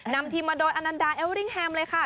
นำทีมมาโดยอนันดาเอเวริ่งแฮมเลยค่ะ